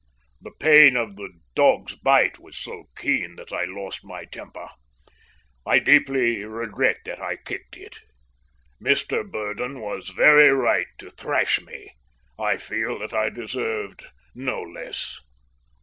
"The pain of the dog's bite was so keen that I lost my temper. I deeply regret that I kicked it. Mr Burdon was very right to thrash me. I feel that I deserved no less."